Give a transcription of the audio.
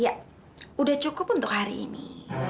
ya udah cukup untuk hari ini